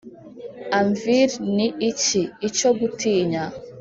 anvil ni iki? icyo gutinya